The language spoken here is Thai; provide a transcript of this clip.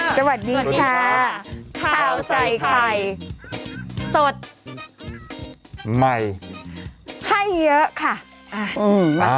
สวัสดีค่ะข้าวใส่ไข่สดใหม่ให้เยอะค่ะอ่า